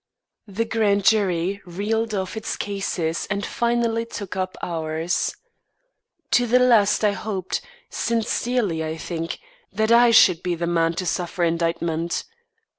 The grand jury reeled off its cases and finally took up ours. To the last I hoped sincerely I think that I should be the man to suffer indictment.